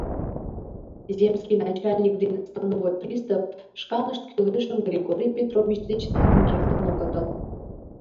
Земский начальник ден становой пристав шканышт кӱлешым Григорий Петрович деч налын кертын огытыл.